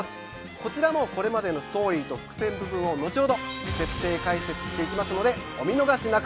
こちらもこれまでのストーリーと伏線部分をのちほど徹底解説していきますのでお見逃しなく。